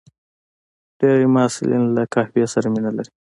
ډېری محصلین له قهوې سره مینه لري.